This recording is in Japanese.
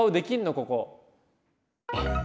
ここ。